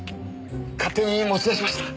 勝手に持ち出しました。